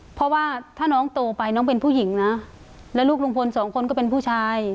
เพราะว่าถ้าน้องโตไปน้องเป็นผู้หญิงนะแล้วลูกลุงพลสองคนก็เป็นผู้ชาย